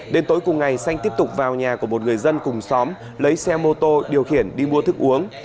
đến tối cùng ngày xanh tiếp tục vào nhà của một người dân cùng xóm lấy xe mô tô điều khiển đi mua thức uống